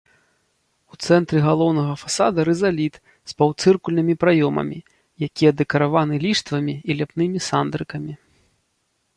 У цэнтры галоўнага фасада рызаліт з паўцыркульнымі праёмамі, якія дэкарыраваны ліштвамі і ляпнымі сандрыкамі.